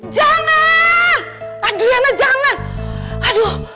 jangan adriana jangan aduh